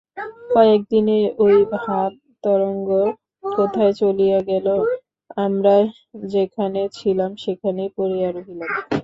কয়েকদিনেই ঐ ভাবতরঙ্গ কোথায় চলিয়া গেল! আমরা যেখানে ছিলাম সেখানেই পড়িয়া রহিলাম।